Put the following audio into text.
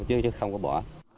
chứ không có bỏ